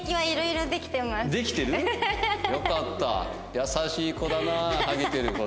できてる？